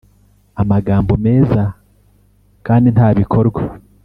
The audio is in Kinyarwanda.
amagambo meza kandi nta bikorwa.